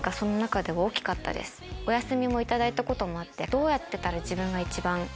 お休みを頂いたこともあって。